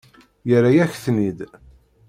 Yerra-yak-ten-id.